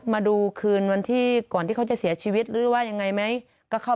มาดูคืนวันที่ก่อนที่เขาจะเสียชีวิตหรือว่ายังไงไหมก็เข้า